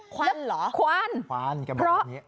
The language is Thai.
ควันเหรอเภ้อเหมือนแบบนี้ควัน